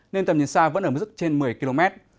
nên tầm nhìn xa vẫn ở mức dứt trên một mươi km